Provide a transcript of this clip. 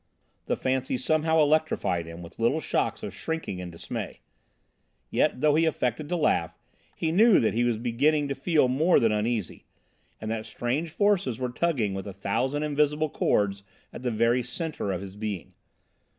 The fancy somehow electrified him with little shocks of shrinking and dismay. Yet, though he affected to laugh, he knew that he was beginning to feel more than uneasy, and that strange forces were tugging with a thousand invisible cords at the very centre of his being.